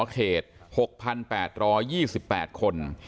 เขต๖๘๒๘คน